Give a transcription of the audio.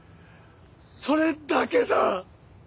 それだけだ！